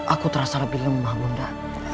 aku terasa lebih lemah bunda